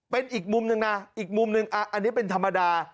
เป็นอีกมุมหนึ่งนะอีกมุมหนึ่งอันนี้เป็นธรรมดา